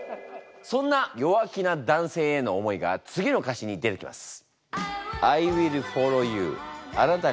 そんな弱気な男性への思いが次の歌詞に出てきます。